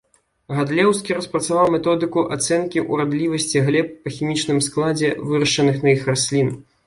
Гадлеўскі распрацаваў методыку ацэнкі урадлівасці глеб па хімічным складзе вырашчаных на іх раслін.